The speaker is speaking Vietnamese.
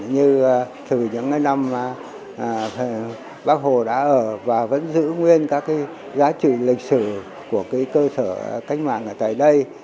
như từ những năm bác hồ đã ở và vẫn giữ nguyên các giá trị lịch sử của cái cơ sở cách mạng ở tại đây